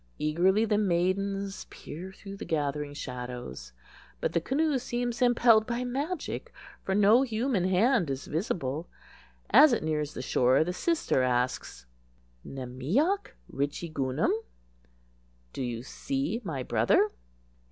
Eagerly the maidens peer through the gathering shadows; but the canoe seems impelled by magic, for no human hand is visible. As it nears the shore the sister asks,— "Nemeeyok richigunum?" (Do you see my brother?)